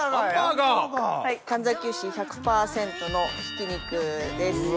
門崎丑１００％のひき肉です。